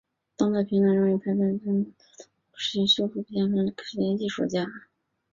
当代评论认为腓特烈二世当时目的可能在于羞辱和贬低哲学家和艺术家。